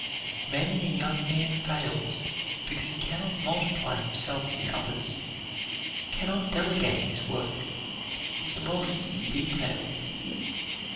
Many a young man fails because he can not multiply himself in others, can not delegate his work, is lost in detail.